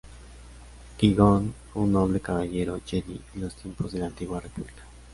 Qui-Gon fue un noble Caballero Jedi en los tiempos de la Antigua República.